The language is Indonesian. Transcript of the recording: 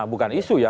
bukan isu ya